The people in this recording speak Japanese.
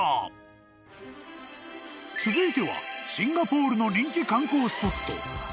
［続いてはシンガポールの人気観光スポット］